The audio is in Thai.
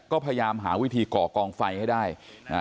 ก็พยายามหาวิธีก่อกองไฟให้ได้อ่า